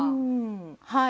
はい。